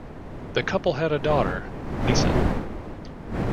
The couple had a daughter, Lisa.